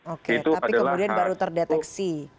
oke tapi kemudian baru terdeteksi